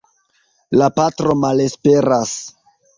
La patro malesperas.